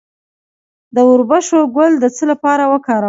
د وربشو ګل د څه لپاره وکاروم؟